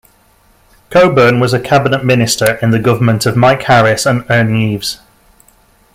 Coburn was a cabinet minister in the government of Mike Harris and Ernie Eves.